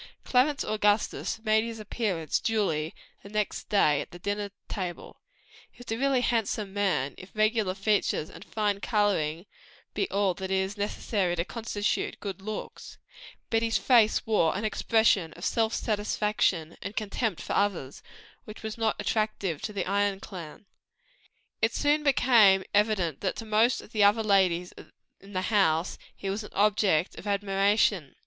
Clarence Augustus made his appearance duly the next day at the dinner table; a really handsome man, if regular features and fine coloring be all that is necessary to constitute good looks; but his face wore an expression of self satisfaction and contempt for others, which was not attractive to our Ion friends. But it soon became evident to them, that to most of the other ladies in the house, he was an object of admiration.